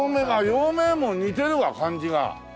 陽明門似てるわ感じが。